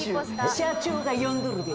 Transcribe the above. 社長が呼んどるで。